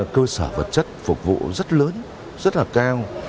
cơ sở vật chất phục vụ rất lớn rất là cao